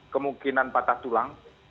kemungkinan patah tulang